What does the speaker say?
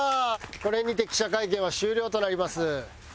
これにて記者会見は終了となります。